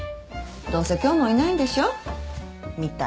どうせ今日もいないんでしょ？みたい。